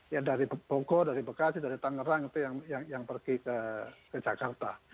ya dari bogor dari bekasi dari tangerang itu yang pergi ke jakarta